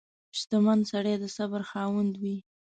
• شتمن سړی د صبر خاوند وي.